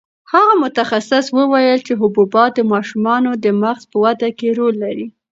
هغه متخصص وویل چې حبوبات د ماشومانو د مغز په وده کې رول لري.